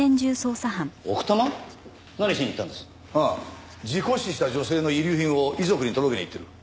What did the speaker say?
ああ事故死した女性の遺留品を遺族に届けに行ってる。